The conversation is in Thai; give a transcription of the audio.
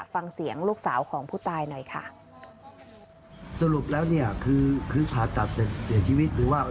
ฟังเสียงลูกสาวของผู้ตายหน่อยค่ะ